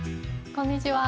こんにちは。